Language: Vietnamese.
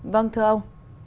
vâng thưa ông